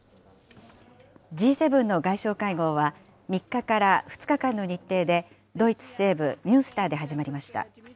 Ｇ７の外相会合は、３日から２日間の日程で、ドイツ西部ミュンスターで始まりました。